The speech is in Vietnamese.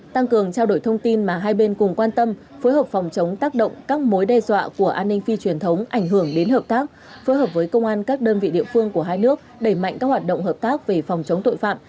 tăng cường trao đổi thông tin mà hai bên cùng quan tâm phối hợp phòng chống tác động các mối đe dọa của an ninh phi truyền thống ảnh hưởng đến hợp tác phối hợp với công an các đơn vị địa phương của hai nước đẩy mạnh các hoạt động hợp tác về phòng chống tội phạm